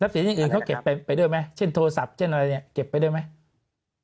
เสียงอย่างอื่นเขาเก็บไปด้วยไหมเช่นโทรศัพท์เช่นอะไรเนี่ยเก็บไปด้วยไหม